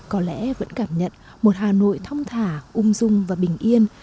có lẽ vẫn cảm nhận một hà nội thong thả ung dung và bình yên